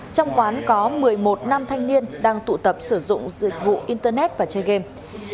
trong quán có một mươi một nam thanh niên đang tụ tập sử dụng dịch vụ internet và chơi game